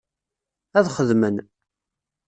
Ad xedmen.